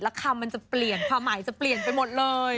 แล้วคำมันจะเปลี่ยนความหมายจะเปลี่ยนไปหมดเลย